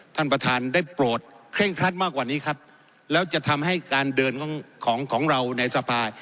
ท่านประธานได้โปรดเคร่งครัดมากกว่านี้ครับแล้วจะทำให้การเดินของของของเราในสภา